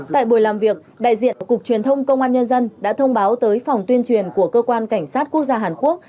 tại buổi làm việc đại diện cục truyền thông công an nhân dân đã thông báo tới phòng tuyên truyền của cơ quan cảnh sát quốc gia hàn quốc